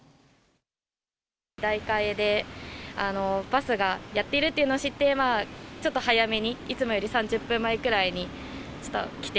代替でバスがやっているというのを知って、ちょっと早めに、いつもより３０分前くらいに来て。